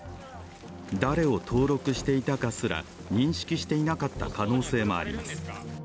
誰を登録していたかすら認識していなかった可能性もあります。